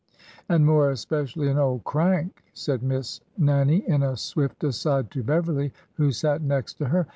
''" And more especially an old crank !" said Miss Nan nie in a swift aside to Beverly, who sat next to her.